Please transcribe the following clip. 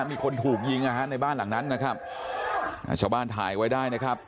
มีคนถูกยิงนะฮะในบ้านหลังนั้นนะครับอ่าชาวบ้านถ่ายไว้ได้นะครับ